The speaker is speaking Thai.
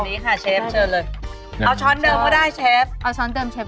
เอาช้อนเดิมก็ได้เชฟ